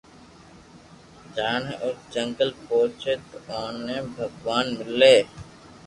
جڻي او جنگل پوچي تو اوني ڀگوان ملي